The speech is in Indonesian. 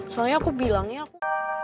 soalnya aku bilangnya aku